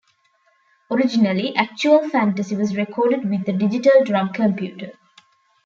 Originally, "Actual Fantasy" was recorded with a digital drum computer.